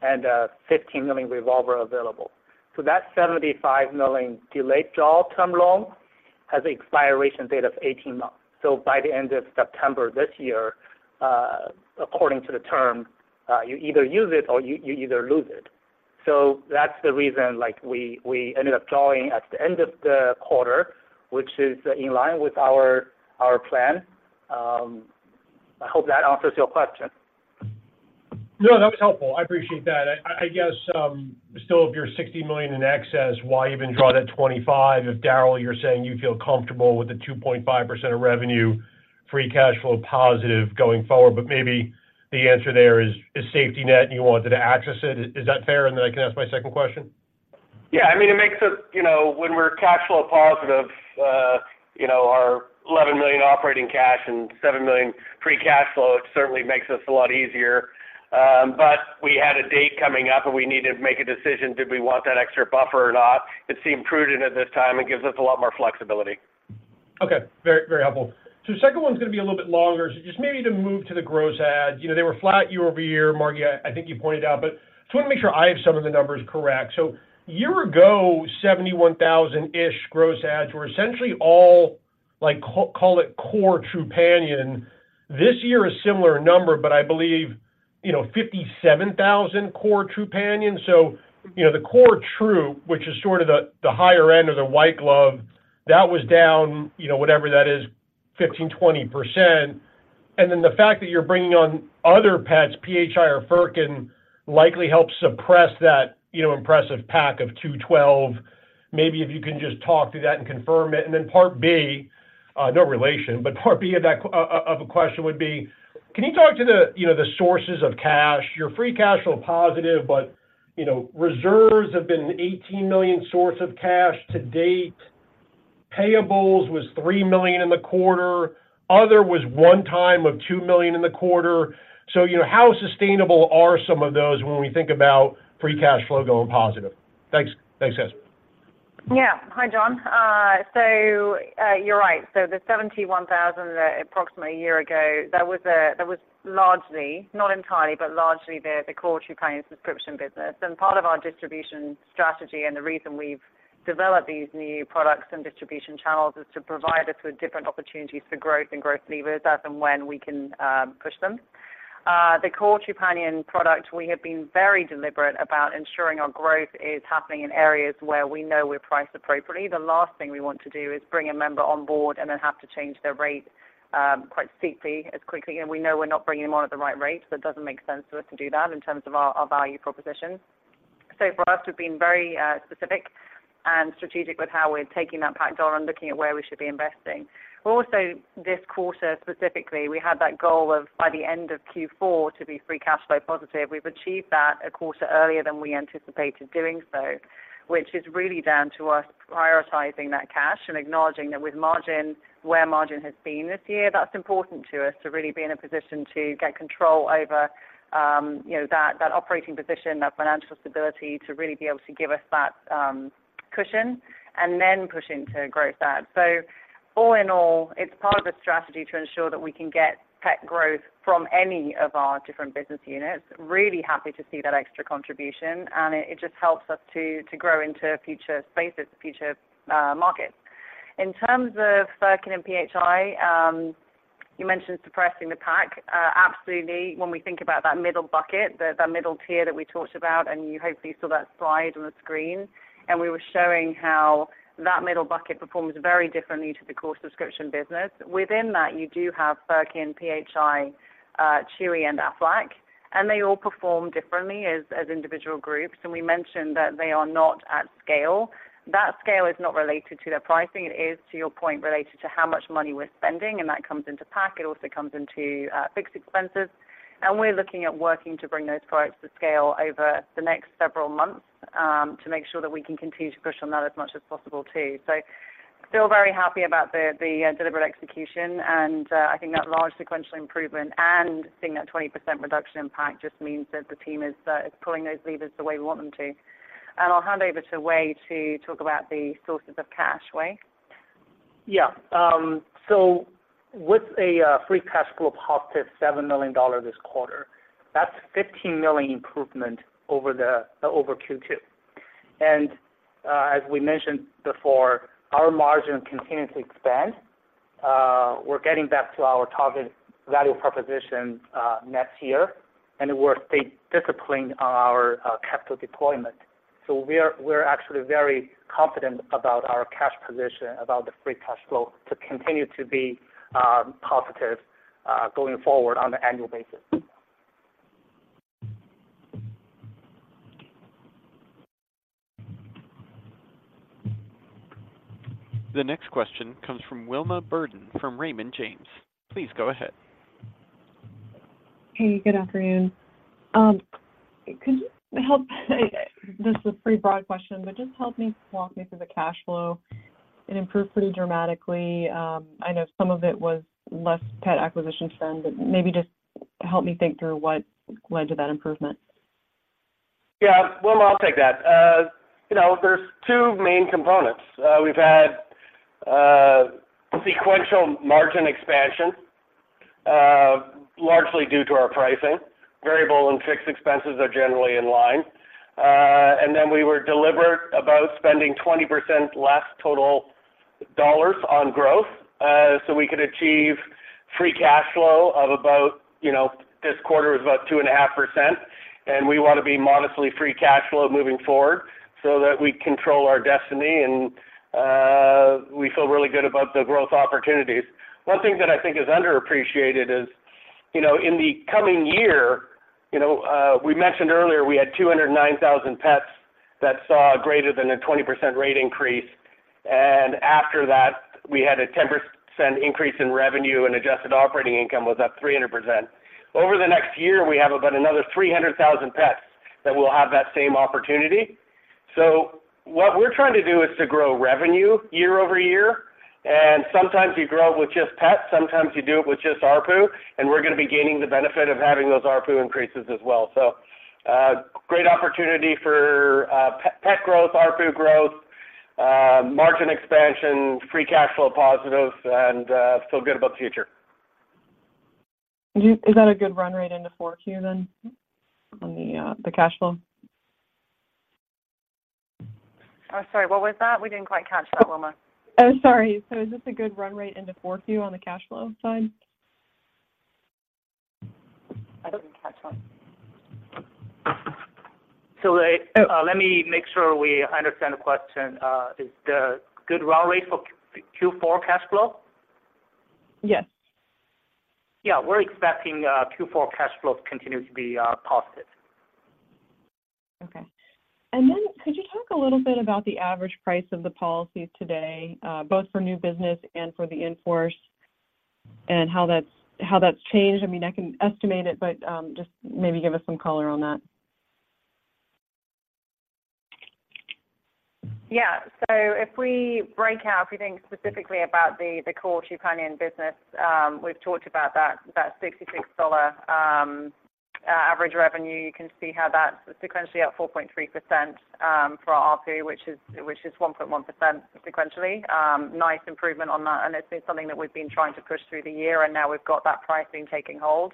and, $15 million revolver available. So that $75 million delayed draw term loan has an expiration date of 18 months. So by the end of September this year, according to the term, you either use it or you, you either lose it. So that's the reason, like, we, we ended up drawing at the end of the quarter, which is in line with our, our plan. I hope that answers your question. No, that was helpful. I appreciate that. I, I guess, still, if you're $60 million in excess, why even draw that $25 million? If, Darryl, you're saying you feel comfortable with the 2.5% of revenue, free cash flow positive going forward, but maybe the answer there is safety net, and you wanted to access it. Is that fair, and then I can ask my second question? Yeah, I mean, it makes us, you know, when we're cash flow positive, you know, our $11 million operating cash and $7 million free cash flow, it certainly makes us a lot easier. But we had a date coming up, and we needed to make a decision. Did we want that extra buffer or not? It seemed prudent at this time and gives us a lot more flexibility. Okay, very, very helpful. So the second one is going to be a little bit longer. Just maybe to move to the gross add. You know, they were flat year-over-year, Margi, I think you pointed out, but I just want to make sure I have some of the numbers correct. So a year ago, 71,000-ish gross adds were essentially all, like, call it core Trupanion. This year, a similar number, but I believe, you know, 57,000 core Trupanion. So, you know, the core Tru, which is sort of the, the higher end or the white glove, that was down, you know, whatever that is, 15%-20%. And then the fact that you're bringing on other pets, PHI or Furkin, likely helps suppress that, you know, impressive PAC of 212. Maybe if you can just talk through that and confirm it. Then part B, no relation, but part B of that of a question would be: can you talk to the, you know, the sources of cash? You're free cash flow positive, but, you know, reserves have been an $18 million source of cash to date. Payables was $3 million in the quarter, other was one time of $2 million in the quarter. So, you know, how sustainable are some of those when we think about free cash flow going positive? Thanks. Thanks, guys. Yeah. Hi, Jon. So, you're right. So the 71,000 approximately a year ago, that was, that was largely, not entirely, but largely the, the core Trupanion subscription business. And part of our distribution strategy and the reason we've developed these new products and distribution channels is to provide us with different opportunities for growth and growth levers as and when we can, push them. The core Trupanion product, we have been very deliberate about ensuring our growth is happening in areas where we know we're priced appropriately. The last thing we want to do is bring a member on board and then have to change their rate, quite steeply, as quickly. And we know we're not bringing them on at the right rate, so it doesn't make sense for us to do that in terms of our, our value proposition. So for us, we've been very, specific and strategic with how we're taking that PAC dollar and looking at where we should be investing. Also, this quarter specifically, we had that goal of by the end of Q4 to be free cash flow positive. We've achieved that a quarter earlier than we anticipated doing so, which is really down to us prioritizing that cash and acknowledging that with margin, where margin has been this year, that's important to us to really be in a position to get control over, you know, that, that operating position, that financial stability, to really be able to give us that, cushion and then push into gross adds. So all in all, it's part of a strategy to ensure that we can get pet growth from any of our different business units. Really happy to see that extra contribution, and it just helps us to grow into future spaces, future markets. In terms of Furkin and PHI, you mentioned suppressing the PAC. Absolutely. When we think about that middle bucket, that middle tier that we talked about, and you hopefully saw that slide on the screen, and we were showing how that middle bucket performs very differently to the core subscription business. Within that, you do have Furkin, PHI, Chewy, and Aflac, and they all perform differently as individual groups. And we mentioned that they are not at scale. That scale is not related to their pricing. It is, to your point, related to how much money we're spending, and that comes into PAC. It also comes into fixed expenses. We're looking at working to bring those products to scale over the next several months, to make sure that we can continue to push on that as much as possible, too. So still very happy about the deliberate execution, and I think that large sequential improvement and seeing that 20% reduction in PAC just means that the team is pulling those levers the way we want them to. And I'll hand over to Wei to talk about the sources of cash. Wei? Yeah. So with a free cash flow +$7 million this quarter, that's $15 million improvement over Q2. And, as we mentioned before, our margin continues to expand. We're getting back to our target value proposition next year, and we're stay disciplined on our capital deployment. So we're actually very confident about our cash position, about the free cash flow to continue to be positive going forward on an annual basis. The next question comes from Wilma Burdis, from Raymond James. Please go ahead. Hey, good afternoon. Could you help? This is a pretty broad question, but just help me walk me through the cash flow. It improved pretty dramatically. I know some of it was less pet acquisition spend, but maybe just help me think through what led to that improvement. Yeah. Wilma, I'll take that. You know, there's two main components. We've had sequential margin expansion, largely due to our pricing. Variable and fixed expenses are generally in line. And then we were deliberate about spending 20% less total dollars on growth, so we could achieve free cash flow of about, you know, this quarter is about 2.5%, and we want to be modestly free cash flow moving forward so that we control our destiny and we feel really good about the growth opportunities. One thing that I think is underappreciated is, you know, in the coming year, you know, we mentioned earlier we had 209,000 pets that saw greater than a 20% rate increase. And after that, we had a 10% increase in revenue, and adjusted operating income was up 300%. Over the next year, we have about another 300,000 pets that will have that same opportunity. So what we're trying to do is to grow revenue year-over-year, and sometimes you grow with just pets, sometimes you do it with just ARPU, and we're going to be gaining the benefit of having those ARPU increases as well. So, great opportunity for pet growth, ARPU growth, margin expansion, free cash flow positives, and feel good about the future. Is that a good run rate into Q4 then, on the cash flow? Oh, sorry, what was that? We didn't quite catch that, Wilma. Oh, sorry. Is this a good run rate into 4Q on the cash flow side? I didn't catch that. Let me make sure we. I understand the question. Is the good run rate for Q4 cash flow? Yes. Yeah, we're expecting Q4 cash flows to continue to be positive. Okay. And then, could you talk a little bit about the average price of the policies today, both for new business and for the in-force, and how that's changed? I mean, I can estimate it, but, just maybe give us some color on that. Yeah. So if we break out, if you think specifically about the core Trupanion business, we've talked about that $66 average revenue. You can see how that's sequentially at 4.3% for our ARPU, which is 1.1% sequentially. Nice improvement on that, and it's been something that we've been trying to push through the year, and now we've got that pricing taking hold.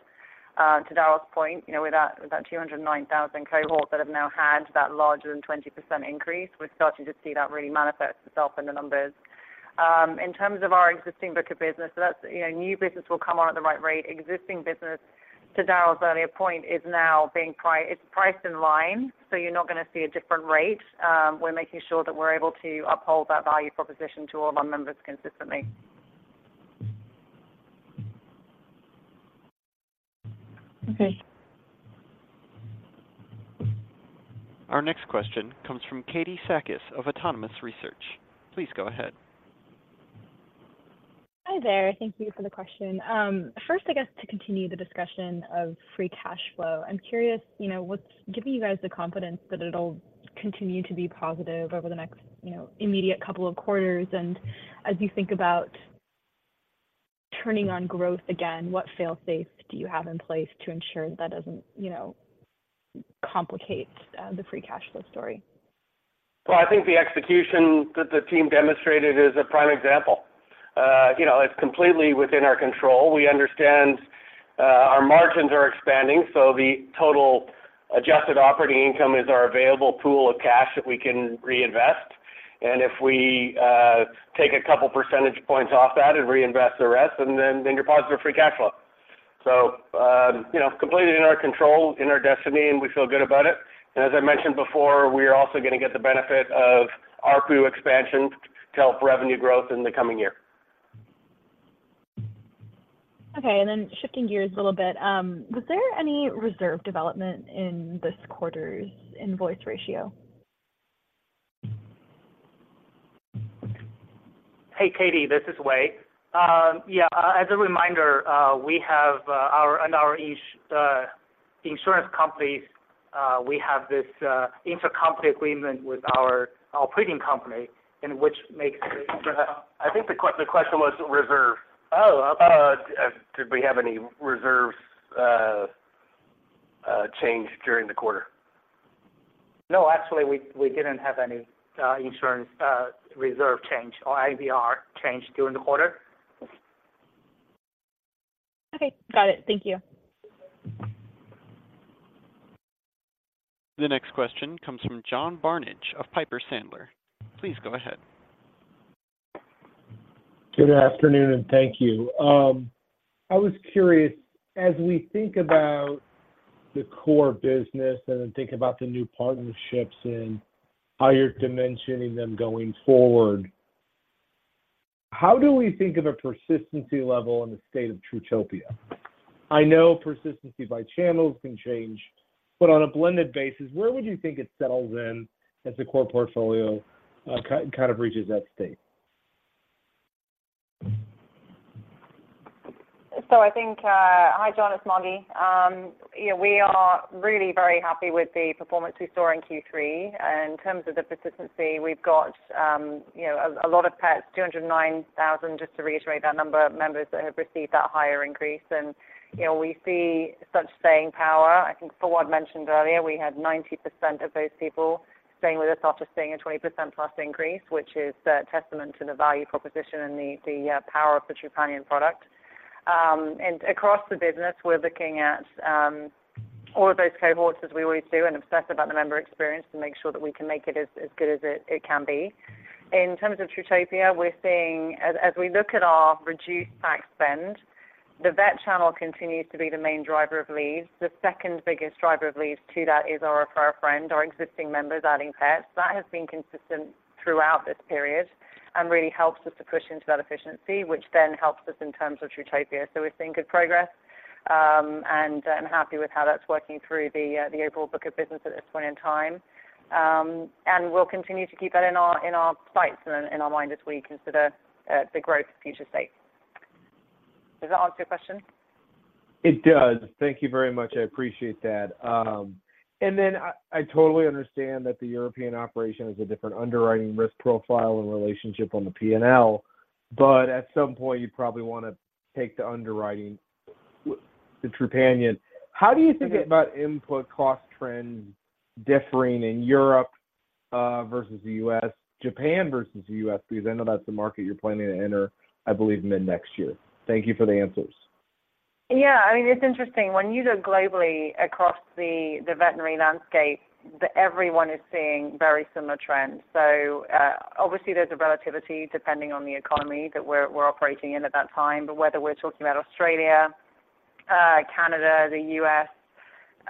To Darryl's point, you know, with that 209,000 cohorts that have now had that larger than 20% increase, we're starting to see that really manifest itself in the numbers. In terms of our existing book of business, so that's, you know, new business will come on at the right rate. Existing business, to Darryl's earlier point, is now priced in line, so you're not going to see a different rate. We're making sure that we're able to uphold that value proposition to all of our members consistently. Okay. Our next question comes from Katie Sakys of Autonomous Research. Please go ahead. Hi there. Thank you for the question. First, I guess, to continue the discussion of free cash flow. I'm curious, you know, what's giving you guys the confidence that it'll continue to be positive over the next, you know, immediate couple of quarters? And as you think about turning on growth again, what fail-safes do you have in place to ensure that doesn't, you know, complicate the free cash flow story? Well, I think the execution that the team demonstrated is a prime example. You know, it's completely within our control. We understand our margins are expanding, so the total adjusted operating income is our available pool of cash that we can reinvest. And if we take a couple percentage points off that and reinvest the rest, and then you're positive free cash flow. So, you know, completely in our control, in our destiny, and we feel good about it. And as I mentioned before, we are also going to get the benefit of ARPU expansion to help revenue growth in the coming year. Okay, and then shifting gears a little bit, was there any reserve development in this quarter's invoice ratio? Hey, Katie, this is Wei. Yeah, as a reminder, we have, in our insurance companies, we have this intercompany agreement with our printing company, and which makes- I think the question was reserve. Oh, uh- Did we have any reserves change during the quarter? No, actually, we didn't have any insurance reserve change or IBNR change during the quarter. Okay, got it. Thank you. The next question comes from John Barnidge of Piper Sandler. Please go ahead. Good afternoon, and thank you. I was curious, as we think about the core business and then think about the new partnerships and how you're dimensioning them going forward, how do we think of a persistency level in the state of Trutopia? I know persistency by channels can change, but on a blended basis, where would you think it settles in as the core portfolio kind of reaches that state? I think, Hi, John, it's Margi. Yeah, we are really very happy with the performance we saw in Q3. In terms of the persistency, we've got, you know, a lot of pets, 209,000, just to reiterate that number of members that have received that higher increase. And, you know, we see such staying power. I think Fawwad mentioned earlier, we had 90% of those people staying with us after seeing a 20%+ increase, which is a testament to the value proposition and the power of the Trupanion product. And across the business, we're looking at all of those cohorts, as we always do, and obsess about the member experience to make sure that we can make it as good as it can be. In terms of Trutopia, we're seeing as we look at our reduced PAC spend, the vet channel continues to be the main driver of leads. The second biggest driver of leads to that is our refer a friend, our existing members adding pets. That has been consistent throughout this period and really helps us to push into that efficiency, which then helps us in terms of Trutopia. So we're seeing good progress, and I'm happy with how that's working through the April book of business at this point in time. And we'll continue to keep that in our, in our sights and in our mind as we consider the growth of future states. Does that answer your question? It does. Thank you very much. I appreciate that. And then I, I totally understand that the European operation has a different underwriting risk profile and relationship on the P&L, but at some point, you probably wanna take the underwriting with the Trupanion. How do you think about input cost trends differing in Europe, versus the U.S., Japan versus the U.S.? Because I know that's the market you're planning to enter, I believe, mid-next year. Thank you for the answers. Yeah, I mean, it's interesting. When you look globally across the veterinary landscape, everyone is seeing very similar trends. So, obviously, there's a relativity depending on the economy that we're operating in at that time. But whether we're talking about Australia, Canada, the U.S.,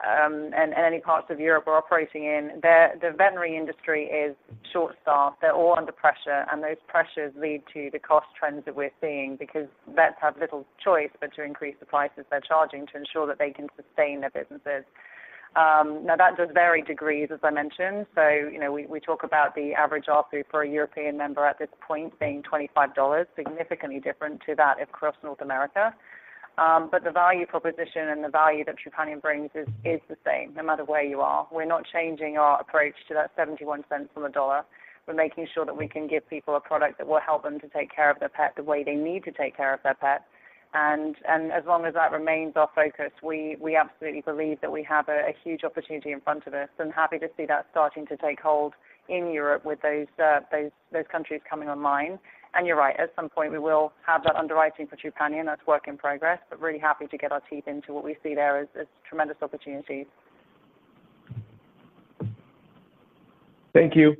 and any parts of Europe we're operating in, the veterinary industry is short-staffed. They're all under pressure, and those pressures lead to the cost trends that we're seeing because vets have little choice but to increase the prices they're charging to ensure that they can sustain their businesses. Now, that does vary degrees, as I mentioned. So, you know, we talk about the average ARPU for a European member at this point being $25, significantly different to that across North America. But the value proposition and the value that Trupanion brings is the same no matter where you are. We're not changing our approach to that 71 cents on the dollar. We're making sure that we can give people a product that will help them to take care of their pet the way they need to take care of their pet. And as long as that remains our focus, we absolutely believe that we have a huge opportunity in front of us, and happy to see that starting to take hold in Europe with those countries coming online. And you're right, at some point we will have that underwriting for Trupanion. That's work in progress, but really happy to get our teeth into what we see there as tremendous opportunities. Thank you.